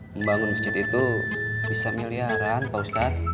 membangun masjid itu bisa miliaran pak ustadz